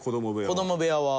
子ども部屋は。